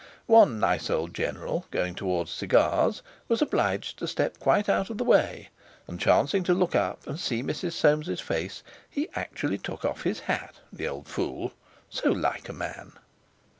One nice old General, going towards Cigars, was obliged to step quite out of the way, and chancing to look up and see Mrs. Soames's face, he actually took off his hat, the old fool! So like a man!